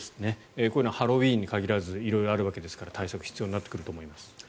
こういうのはハロウィーンに限らず色々あるわけですから対策が必要になってくると思います。